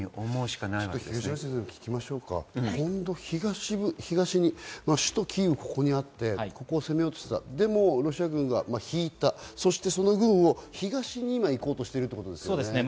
東野先生、東に首都キーウ、ここにやって、攻め落としたロシア軍が引いた、そしてその軍を東に今、行こうとしているてことですね。